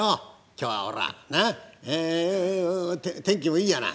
今日はほらな「エヨ」って天気もいいやな。